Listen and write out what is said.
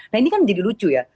nah ini kan menjadi lucu ya